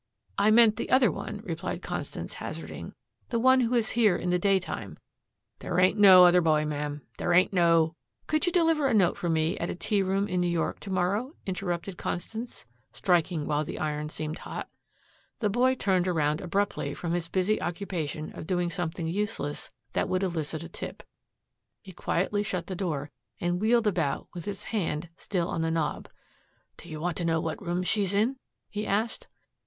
"I mean the other one," replied Constance, hazarding, "the one who is here in the day time." "There ain't no other boy, ma'am. There ain't no " "Could you deliver a note for me at a tea room in New York to morrow?" interrupted Constance, striking while the iron seemed hot. The boy turned around abruptly from his busy occupation of doing something useless that would elicit a tip. He quietly shut the door, and wheeled about with his hand still on the knob. "Do you want to know what room she's in?" he asked.